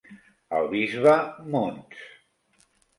El bisbe Mons.